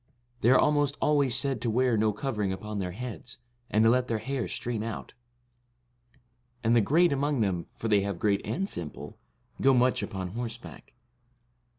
They are almost always said to wear no covering upon their heads, and to let their hair stream out; and the great among them, for they have great and simple, go much upon horseback.